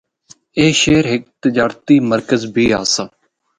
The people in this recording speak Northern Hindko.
اے شہر ہک تجارتی مرکز بھی آسا۔